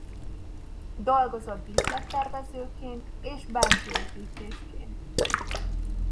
Dolgozott díszlettervezőként és belsőépítészként.